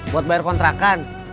buat bayar kontrakan